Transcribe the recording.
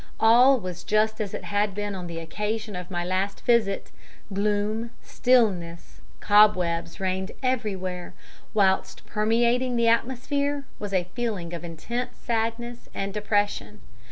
All was just as it had been on the occasion of my last visit gloom, stillness and cobwebs reigned everywhere, whilst permeating the atmosphere was a feeling of intense sadness and depression.